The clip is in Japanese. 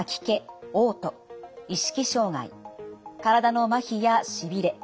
体のまひやしびれ。